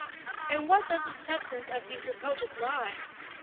In what does the substance of those reproaches lie?